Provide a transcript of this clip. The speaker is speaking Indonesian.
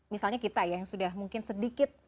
misalnya kita ya yang sudah mungkin sedikit